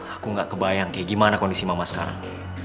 aku gak kebayang kayak gimana kondisi mama sekarang